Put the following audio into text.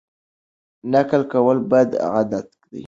نقل کول بد عادت دی.